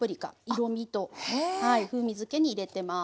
色みと風味づけに入れてます。